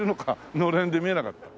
のれんで見えなかった。